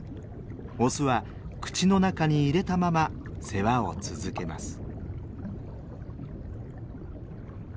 オスは口の中に入れたまま世話を続けます。